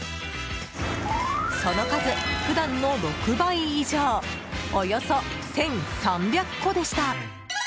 その数、普段の６倍以上およそ１３００個でした。